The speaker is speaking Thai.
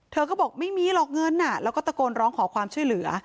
เธอก็บอกไม่มีหรอกเงินแล้วก็ตะโกนร้องขอความช่วยเหลือ